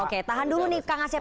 oke tahan dulu nih kang asep